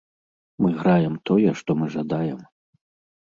Мы граем тое, што мы жадаем.